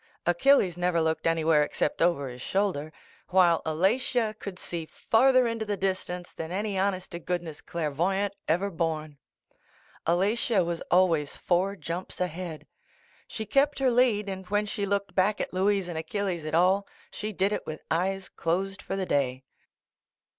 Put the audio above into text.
Achilles never looked anywhere except over his shoulder, while Alatia could see farther into the distance than any honest to goodness clairvoyant ever born. Alatia was always four jumps ahead. She kept her lead, and when she looked back at Louise and Achilles at all, she did it with eyes closed for the day.